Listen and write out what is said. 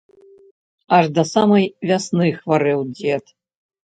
Аж да самай вясны хварэў дзед.